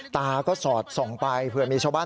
ตาก็สอดส่องไปเผื่อมีชาวบ้าน